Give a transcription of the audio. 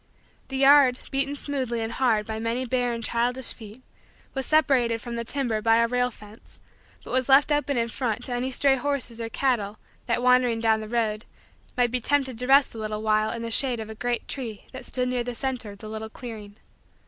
The yard, beaten smooth and hard by many bare and childish feet, was separated from the timber by a rail fence but was left open in front to any stray horses or cattle that, wandering down the road, might be tempted to rest a while in the shade of a great tree that stood near the center of the little clearing.